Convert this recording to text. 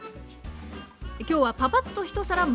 今日は「パパッとひと皿！